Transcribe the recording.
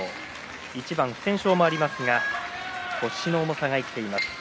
一番不戦勝もありますが腰の重さが生きています。